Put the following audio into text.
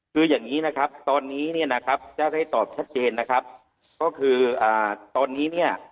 คืออย่างนี้นะครับตอนนี้เนี่ยนะครับจะได้ตอบชัดเจนนะครับก็คืออ่าตอนนี้เนี่ย